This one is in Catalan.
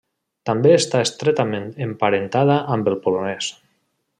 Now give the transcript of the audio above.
També està estretament emparentada amb el polonès.